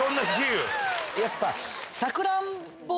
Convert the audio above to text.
やっぱ。